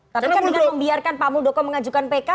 tapi kan dengan membiarkan pak muldoko mengajukan pk